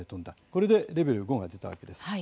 これでレベル５が出たわけです。